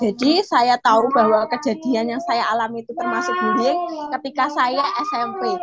jadi saya tahu bahwa kejadian yang saya alami itu termasuk bullying ketika saya smp